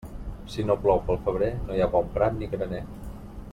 Si no plou pel febrer, no hi ha bon prat ni graner.